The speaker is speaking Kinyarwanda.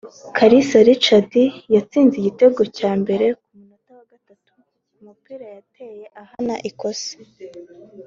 Kalisa Rachid yatsinze igitego cya mbere ku munota wa gatatu ku mupira yateye ahana ikosa